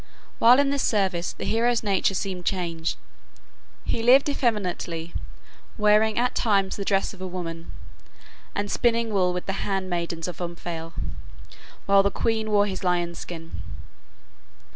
While in this service the hero's nature seemed changed. He lived effeminately, wearing at times the dress of a woman, and spinning wool with the hand maidens of Omphale, while the queen wore his lion's skin.